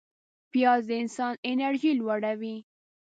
پیاز د انسان انرژي لوړوي